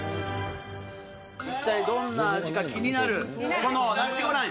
一体どんな味か気になる、このナシゴレン。